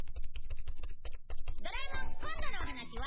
『ドラえもん』今度のお話は